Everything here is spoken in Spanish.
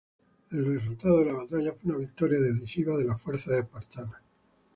El resultado de la batalla fue una victoria decisiva de las fuerzas espartanas.